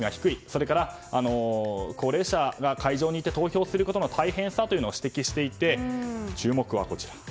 それから高齢者が会場に行って投票することの大変さということを指摘していて注目は、こちら。